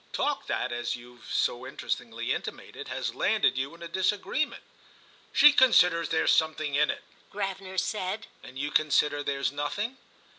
"Talk that, as you've so interestingly intimated, has landed you in a disagreement." "She considers there's something in it," Gravener said. "And you consider there's nothing?"